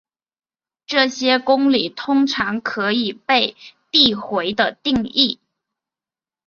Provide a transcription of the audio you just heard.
这些公理通常可以被递回地定义。